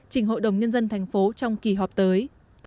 trình hội đồng nhân dân thành phố trong kỳ họp tới